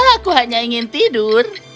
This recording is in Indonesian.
aku hanya ingin tidur